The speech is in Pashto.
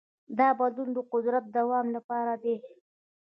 دا بدلون د قدرت د دوام لپاره دی.